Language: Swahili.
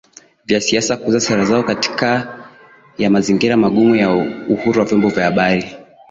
vya siasa kuuza sera zao katikati ya mazingira magumu ya uhuru wa vyombo vya